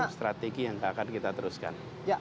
dan strategi yang akan kita teruskan